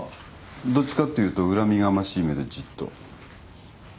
どっちかっていうと恨みがましい目でじっと。